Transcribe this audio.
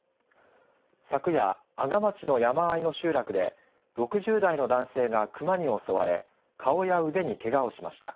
昨夜、阿賀町の山あいの集落で６０代の男性が熊に襲われ顔や腕にけがをしました。